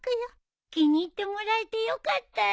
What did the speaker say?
気に入ってもらえてよかったよ。